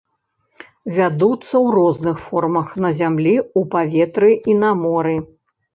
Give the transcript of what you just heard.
Вядуцца ў розных формах на зямлі, у паветры і на моры.